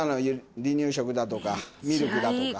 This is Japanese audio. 離乳食だとかミルクだとか。